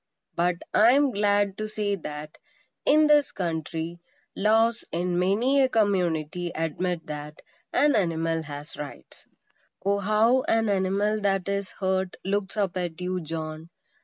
But I am glad to say that, in this country, laws in many a community admit that an animal has rights. Oh, how an animal that is hurt looks up at you, John!